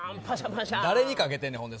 誰にかけてんねん。